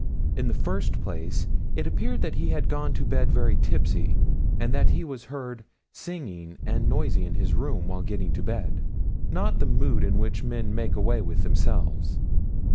In the first place, it appeared that he had gone to bed very tipsy, and that he was heard singing and noisy in his room while getting to bed not the mood in which men make away with themselves.